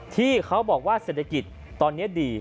ที่เขาบอกว่าเศรษฐกิจตอนนี้ดี